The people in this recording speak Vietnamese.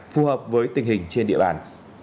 phù hợp với tình hình trên địa bàn